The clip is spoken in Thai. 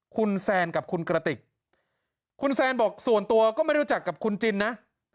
คุณแซนกับคุณกระติกคุณแซนบอกส่วนตัวก็ไม่รู้จักกับคุณจินนะ